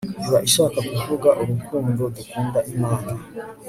Iba ishaka kuvuga urukundo dukunda Imana